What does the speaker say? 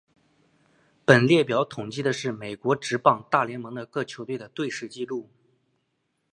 本列表统计的是美国职棒大联盟的各球队的队史纪录。